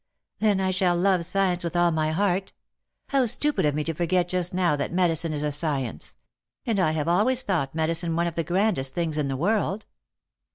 Then I shall love science with all my heart. How stupid of me to forget just now that medicine is a ecience ! And I have always thought medicine one of the grandest things in the world."